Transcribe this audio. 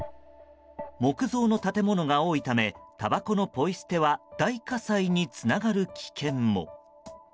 木造の建物が多いためたばこのポイ捨ては大火災につながる危険も。